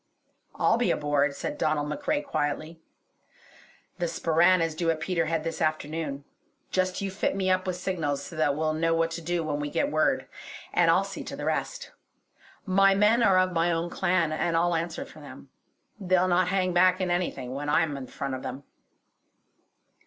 "I'll be aboard!" said Donald MacRae quietly. "The Sporran is due at Peterhead this afternoon. Just you fit me up with signals so that we'll know what to do when we get word; and I'll see to the rest. My men are of my own clan, and I'll answer for them. They'll not hang back in anything, when I'm in the front of them."